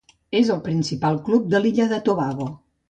És el principal club de l'illa de Tobago.